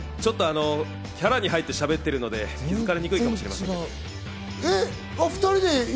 キャラに入ってしゃべってるので、気づかれないかもしれない。